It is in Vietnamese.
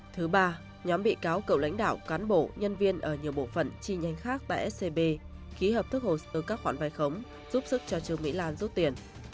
thứ ba nhóm bị cáo cựu lãnh đạo cán bộ nhân viên ở nhiều bộ phận chi nhánh khác tại scb ký hợp thức hồ sơ các khoản vai khống giúp sức cho trương mỹ lan rút tiền